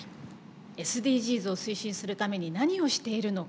ＳＤＧｓを推進するために何をしているのか？